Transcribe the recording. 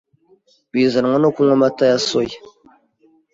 bizanwa no kunywa amata ya soya,